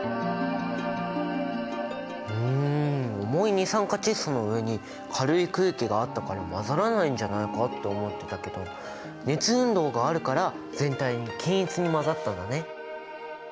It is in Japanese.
うん重い二酸化窒素の上に軽い空気があったから混ざらないんじゃないかって思ってたけど熱運動があるから全体に均一に混ざったんだね！